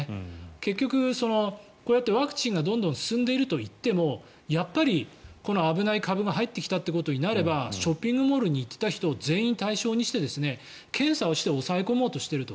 結局、こうやってワクチンがどんどん進んでいるといってもやっぱりこの危ない株が入ってきたということになればショッピングモールに行っていた人を全員対象にして検査をして抑え込もうとしていると。